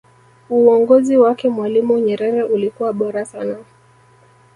uongozi wake mwalimu nyerere ulikuwa bora sana